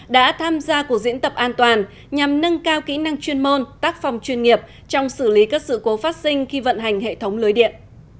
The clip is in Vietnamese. đã tham gia cuộc diễn tập an toàn nhằm nâng cao kỹ năng chuyên môn tác phòng chuyên nghiệp trong xử lý các sự cố phát sinh khi vận hành hệ thống lưới điện